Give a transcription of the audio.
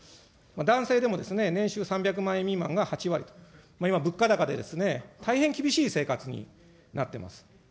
男性でも年収３００万円未満が８割と、今、物価高で、大変厳しい生活になってます。